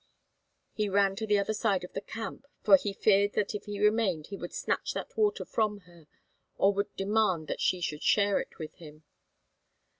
he ran to the other side of the camp, for he feared that if he remained he would snatch that water from her or would demand that she should share it with him.